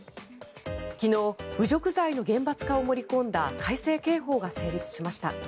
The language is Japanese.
昨日侮辱罪の厳罰化を盛り込んだ改正刑法が成立しました。